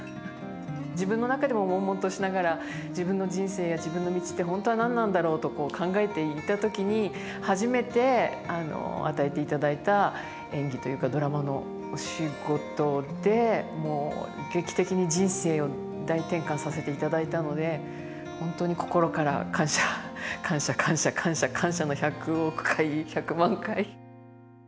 自分の中でももんもんとしながら自分の人生や自分の道って本当は何なんだろうと考えていた時に初めて与えていただいた演技というかドラマのお仕事でもう劇的に人生を大転換させていただいたので本当に心から感謝感謝感謝感謝感謝の１００億回１００万回。